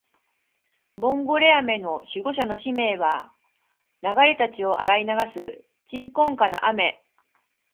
ボンゴレ雨の守護者の使命は、流れた血を洗い流す鎮魂歌の雨